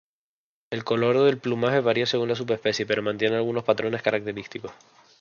El color del plumaje varía según la subespecie, pero mantiene algunos patrones característicos.